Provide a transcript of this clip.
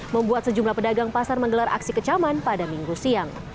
membuat sejumlah pedagang pasar menggelar aksi kecaman pada minggu siang